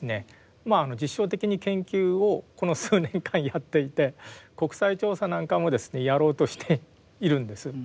まあ実証的に研究をこの数年間やっていて国際調査なんかもですねやろうとしているんです。